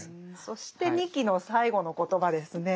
そして仁木の最後の言葉ですね。